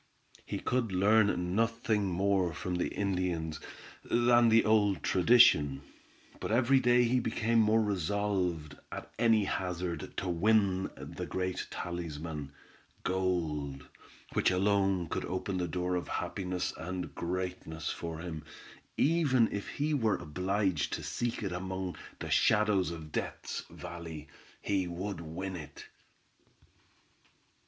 He could learn nothing more from the Indians than the old tradition, but every day he became more resolved, at any hazard, to win the great talisman, gold, which alone could open the door of happiness and greatness for him; even if he were obliged to seek it among the shadows in Death's Valley, he would win it.